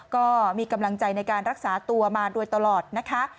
ก็มีกำลังใจในการรักษาตัวมาโดยตลอดนะคะ